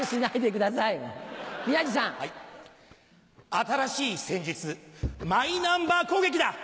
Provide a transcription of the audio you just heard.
新しい戦術マイナンバー攻撃だ！